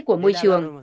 của môi trường